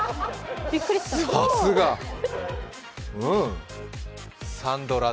さすが、うん。